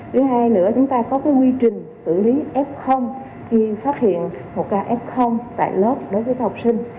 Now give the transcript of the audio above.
thứ hai nữa chúng ta có quy trình xử lý f khi phát hiện một ca f tại lớp đối với học sinh